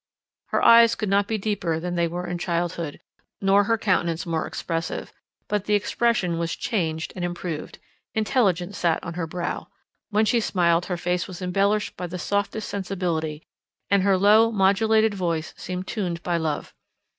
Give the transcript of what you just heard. Her eyes could not be deeper than they were in childhood, nor her countenance more expressive; but the expression was changed and improved; intelligence sat on her brow; when she smiled her face was embellished by the softest sensibility, and her low, modulated voice seemed tuned by love.